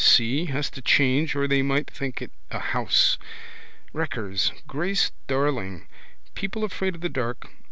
See. Has to change or they might think it a house. Wreckers. Grace Darling. People afraid of the dark.